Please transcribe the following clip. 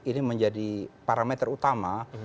ini menjadi parameter utama